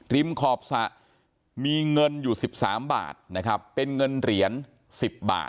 ริมขอบสะมีเงินอยู่สิบสามบาทนะครับเป็นเงินเหรียญสิบบาท